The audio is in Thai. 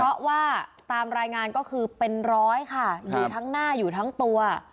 เพราะว่าตามรายงานก็คือเป็นร้อยค่ะอยู่ทั้งหน้าอยู่ทั้งตัว